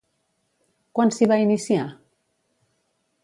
Quan s'hi va iniciar?